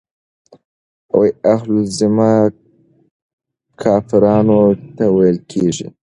اهل الذمه کافرانو ته ويل کيږي.